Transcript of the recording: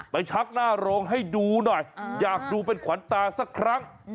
ชักหน้าโรงให้ดูหน่อยอยากดูเป็นขวัญตาสักครั้ง